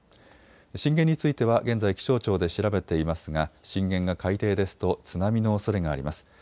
震源については現在、気象庁で調べていますが震源が海底ですと津波のおそれがあります。